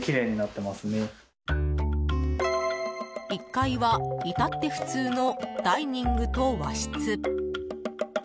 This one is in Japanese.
１階はいたって普通のダイニングと和室。